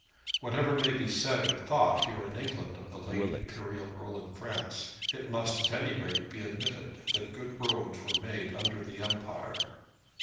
Whatever may be said or thought here in England of the late imperial rule in France, it must at any rate be admitted that good roads were made under the Empire.